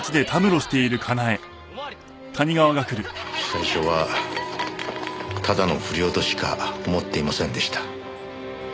最初はただの不良としか思っていませんでした。